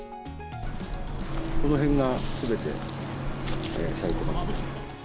この辺がすべて咲いてます。